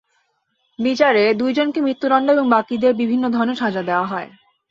বিচারে দুই জনকে মৃত্যুদন্ড এবং বাকিদের বিভিন্ন ধরনের সাজা দেওয়া হয়।